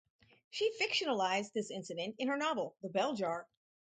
She fictionalized this incident in her novel The Bell Jar.